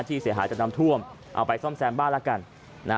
เสียหายจากน้ำท่วมเอาไปซ่อมแซมบ้านละกัน